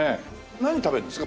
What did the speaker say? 何食べるんですか？